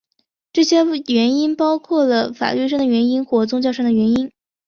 这些原因包括了法律上的原因或宗教上的原因。